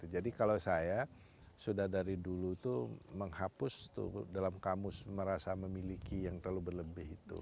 jadi kalau saya sudah dari dulu tuh menghapus tuh dalam kamus merasa memiliki yang terlalu berlebih itu